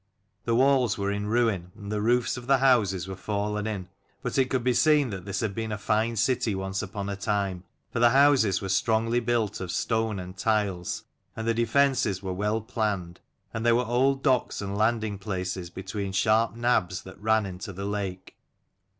The walls were in ruin, and the roofs of the houses were fallen in. But it could be seen that this had been a fine city once upon a time : for the houses were strongly built of stone and tiles, and the defences were well planned, and there were old docks and landing places be tween sharp nabs that ran into the lake.